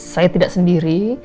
saya tidak sendiri